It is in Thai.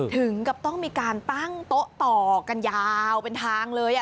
ถึงกับต้องมีการตั้งโต๊ะต่อกันยาวเป็นทางเลย